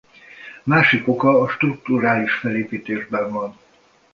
Másik oka a strukturális felépítésben van.